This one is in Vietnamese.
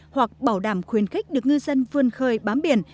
hoặc bảo đảm khuyến khích được ngư dân vươn khơi bám biển